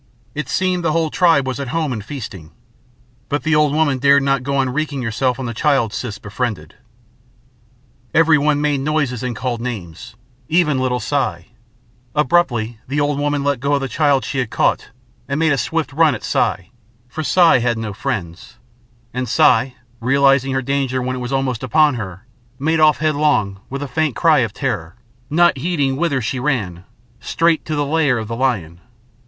It seemed the whole tribe was at home and feasting. But the old woman dared not go on wreaking herself on the child Siss befriended. Everyone made noises and called names even little Si. Abruptly the old woman let go of the child she had caught and made a swift run at Si for Si had no friends; and Si, realising her danger when it was almost upon her, made off headlong, with a faint cry of terror, not heeding whither she ran, straight to the lair of the lion.